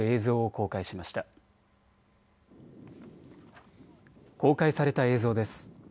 公開された映像です。